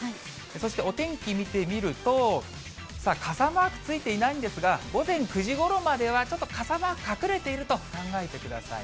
そして、お天気見てみると、傘マークついていないんですが、午前９時ごろまでは、ちょっと傘マーク隠れていると考えてください。